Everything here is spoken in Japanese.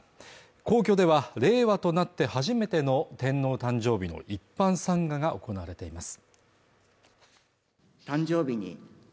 皇居では、令和となって初めての天皇誕生日の一般参賀が行われています。